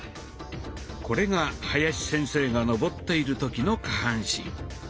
これが林先生が上っている時の下半身。